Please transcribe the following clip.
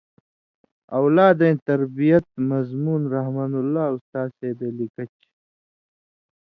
اؤلادَیں تربیت مضمون رحمان اللہ استا صېبے لِکہ چھی